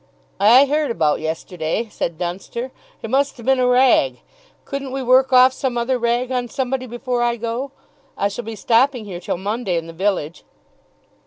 "I heard about yesterday," said Dunster. "It must have been a rag! Couldn't we work off some other rag on somebody before I go? I shall be stopping here till Monday in the village.